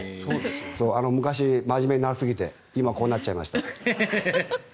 昔、真面目になりすぎて今、こうなっちゃいました。